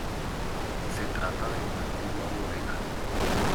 Se trata de una antigua bodega.